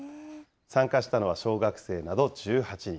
参加したのは小学生など１８人。